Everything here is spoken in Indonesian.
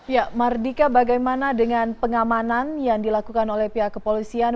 ya mardika bagaimana dengan pengamanan yang dilakukan oleh pihak kepolisian